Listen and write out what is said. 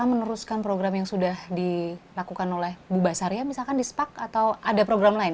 meneruskan program yang sudah dilakukan oleh bu basaria misalkan di sepak atau ada program lain